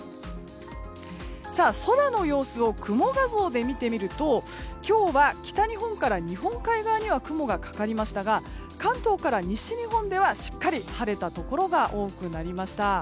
空の様子を雲画像で見てみると今日は北日本から日本海側には雲がかかりましたが関東から西日本では、しっかり晴れたところが多くなりました。